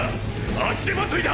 足手まといだ！